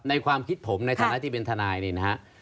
ความคิดผมในฐานะที่เป็นทนายนี่นะฮะ